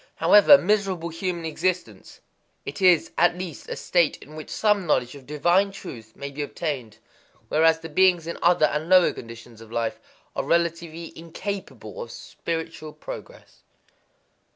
However miserable human existence, it is at least a state in which some knowledge of divine truth may be obtained; whereas the beings in other and lower conditions of life are relatively incapable of spiritual progress.